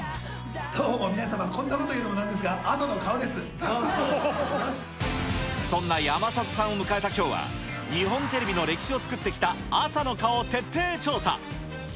どうも皆様、こんなこと言うのもなんですが、そんな山里さんを迎えたきょうは、日本テレビの歴史を作ってきた朝の顔を徹底調査。